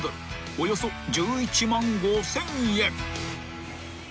およそ１１万５，０００円］